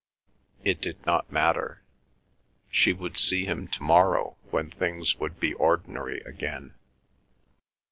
It did not matter; she would see him to morrow when things would be ordinary again.